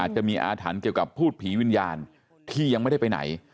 จะมีอาถรรพ์เกี่ยวกับพูดผีวิญญาณที่ยังไม่ได้ไปไหน